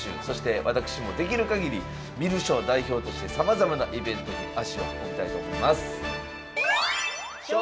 そして私もできるかぎり観る将代表としてさまざまなイベントに足を運びたいと思います。